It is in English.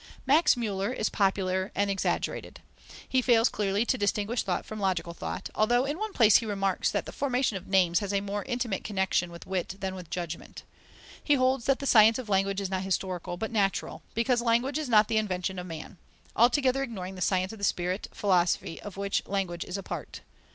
Max Müller is popular and exaggerated. He fails clearly to distinguish thought from logical thought, although in one place he remarks that the formation of names has a more intimate connexion with wit than with judgment. He holds that the science of language is not historical, but natural, because language is not the invention of man, altogether ignoring the science of the spirit, philosophy, of which language is a part.